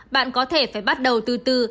bạn có thể phải bắt đầu từ từ